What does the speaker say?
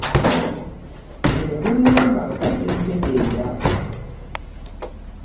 Bino by'oŋŋamba nga sibitegeera!